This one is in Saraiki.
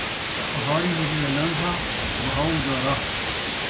پہاڑی ندی دا لانگھا، وَہاؤ دا رَاہ۔